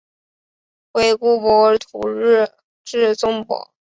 惟故博徒日至纵博。